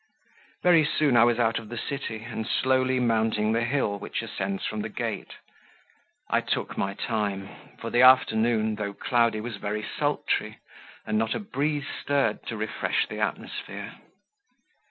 Very soon I was out of the city, and slowly mounting the hill, which ascends from the gate, I took my time; for the afternoon, though cloudy, was very sultry, and not a breeze stirred to refresh the atmosphere.